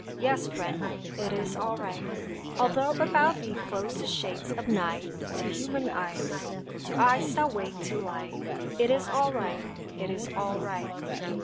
Yes, friend, it is all right, Although about thee close the shades of night To human eyes. To eyes that wake to light It is all right it is all right!